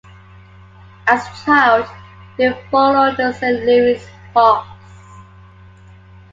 As a child, he followed the Saint Louis Hawks.